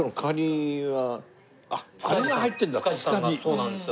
そうなんです。